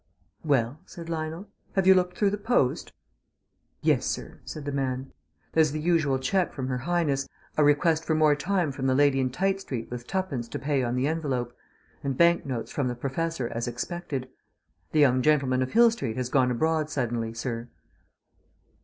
"Well," said Lionel, "have you looked through the post?" "Yes, sir," said the man. "There's the usual cheque from Her Highness, a request for more time from the lady in Tite Street with twopence to pay on the envelope, and banknotes from the Professor as expected. The young gentleman of Hill Street has gone abroad suddenly, sir."